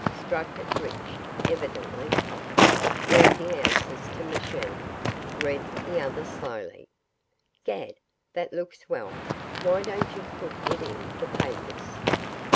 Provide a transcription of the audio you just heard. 'Struck it rich evidently pocket thirty ounces to machine,' read the other slowly; 'gad! that looks well, why don't you put it in the papers?